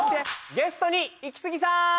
ゲストにイキスギさん！